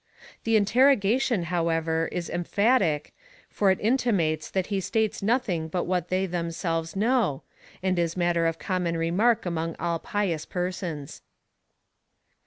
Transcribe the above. The interrogation, however, is emphatic, for it intimates that he states nothing but what they them selves know, and is matter of common remark among all pious persons.